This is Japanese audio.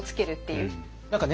何かね